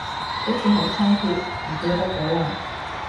好似係倉頡，唔記得咗嘞